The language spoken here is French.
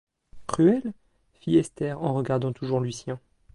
Cruelle ?… fit Esther en regardant toujours Lucien.